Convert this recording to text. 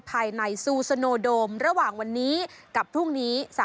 ภายในซูซาโนโดมระหว่างวันนี้กับพรุ่งนี้